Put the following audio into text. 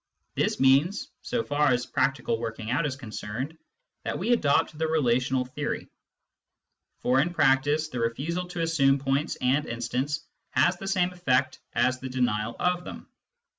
This means, so far as practical working out is concerned, that we adopt the relational theory ; for in practice the refusal to assume points and instants has the same effect as the denial of them.